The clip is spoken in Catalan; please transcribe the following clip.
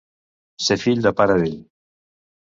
Ser fill de pare vell.